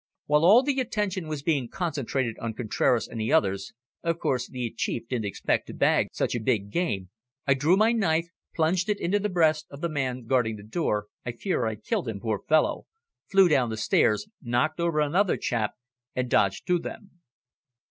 While all the attention was being concentrated on Contraras and the others of course the Chief didn't expect to bag such a big game I drew my knife, plunged it into the breast of the man guarding the door I fear I killed him, poor fellow flew down the stairs, knocked over another chap, and dodged through them."